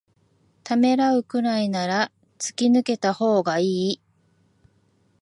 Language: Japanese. ためらうくらいなら突き抜けたほうがいい